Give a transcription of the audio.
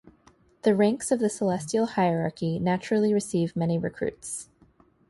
The ranks of the celestial hierarchy naturally receive many recruits.